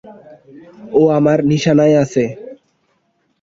ও আমার নিশানায় আছে।